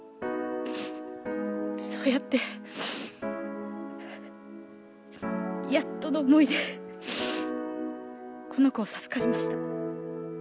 そうやってやっとの思いでこの子を授かりました。